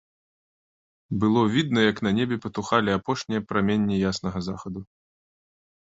Было відно, як на небе патухалі апошнія праменні яснага захаду.